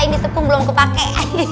ini tepung belum kepake